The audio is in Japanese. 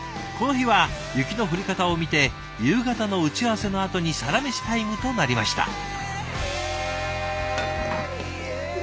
この日は雪の降り方を見て夕方の打ち合わせのあとにサラメシタイムとなりました。